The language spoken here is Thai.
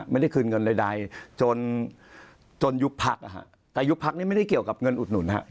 ไม่ได้คืนเงินใดจนจนยุบพักนะฮะแต่ยุบพักนี้ไม่ได้เกี่ยวกับเงินอุดหนุนฮะ